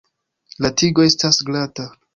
La tigo estas glata.